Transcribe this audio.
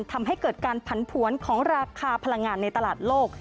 ทำให้เกิดการผันผวนของราคาพลังงานในตลาดโลก